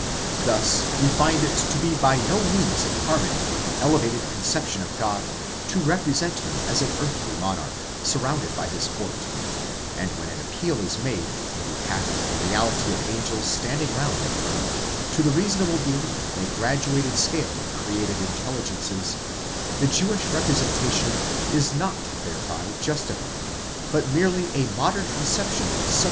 Thus, we find it to be by no means in harmony with an elevated conception of God to represent him as an earthly monarch, surrounded by his court: and when an appeal is made, in behalf of the reality of angels standing round the throne, to the reasonable belief in a graduated scale of created intelli gences,* the Jewish representation is not thereby justified, but merely a modern conception substituted for it.